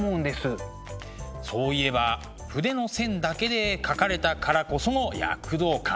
そういえば筆の線だけで描かれたからこその躍動感。